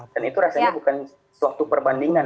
dan itu rasanya bukan suatu perbandingan